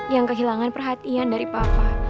yang kehilangan perhatian dari papa